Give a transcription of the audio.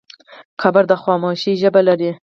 قبر د خاموشۍ ژبه لري.